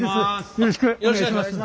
よろしくお願いします。